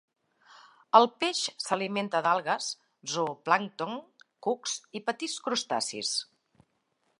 El peix s'alimenta d'algues, zooplàncton, cucs i petits crustacis.